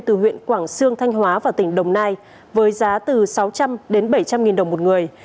từ huyện quảng sương thanh hóa và tỉnh đồng nai với giá từ sáu trăm linh đến bảy trăm linh nghìn đồng một người